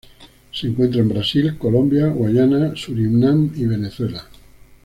Se encuentra en Brasil, Colombia, Guyana, Surinam y Venezuela.